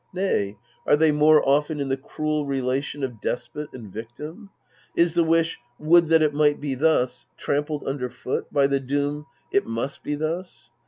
Nay, are they more often in the cruel relation of despot and victim? Is the wish, " Would that it might be thus," trampled under foot by the doom, " It must be thus